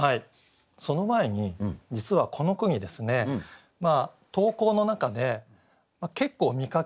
その前に実はこの句にですね投稿の中で結構見かける言葉が入ってるんですよ。